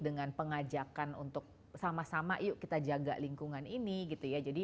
dengan pengajakan untuk sama sama yuk kita jaga lingkungan ini gitu ya